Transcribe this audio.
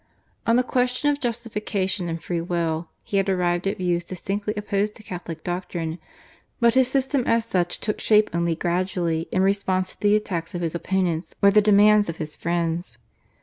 On the question of Justification and Free will he had arrived at views distinctly opposed to Catholic doctrine, but his system as such took shape only gradually in response to the attacks of his opponents or the demands of his friends.